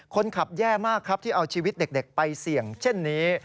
แย่มากครับที่เอาชีวิตเด็กไปเสี่ยงเช่นนี้